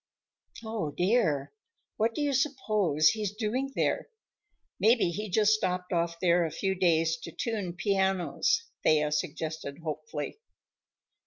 "Oh, dear! What do you suppose he's doing there? Maybe he just stopped off there a few days to tune pianos," Thea suggested hopefully.